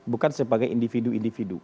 bukan sebagai individu individu